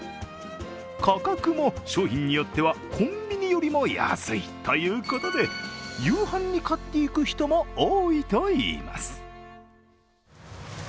価格も商品によってはコンビニよりも安いということで、夕飯に買っていく人も多いといいます。